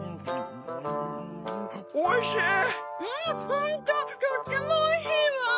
ホントとってもおいしいわ！